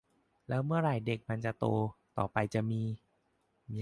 แล้วเมื่อไหร่เด็กมันจะโต ต่อไปจะมี